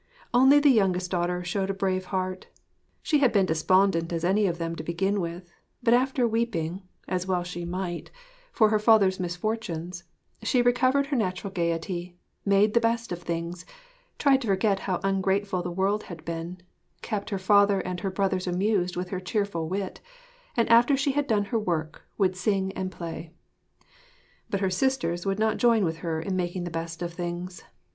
Only the youngest daughter showed a brave heart. She had been despondent as any of them to begin with; but after weeping as well she might for her father's misfortunes, she recovered her natural gaiety, made the best of things, tried to forget how ungrateful the world had been, kept her father and her brothers amused with her cheerful wit, and after she had done her work, would sing and play. But her sisters would not join with her in making the best of things.